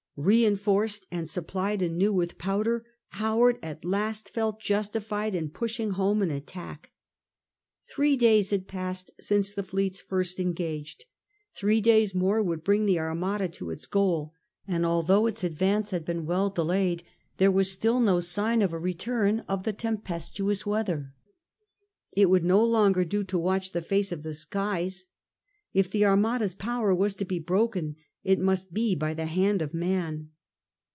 Reinforced and supplied anew with powder, Howard at last felt justified in push ing home an attack. Three days had passed since the fleets first engaged ; three days more would bring the Armada to its goal, and although its advance had been i6o 5/^ FRANCIS DRAKE chap. well delayed there was still no sign of a return of the tempestuous weather. It would no longer do to watch the face of the skies. If the Armada's power was to be broken it must be by the hand of man.